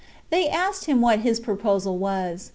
They asked him what his proposal was.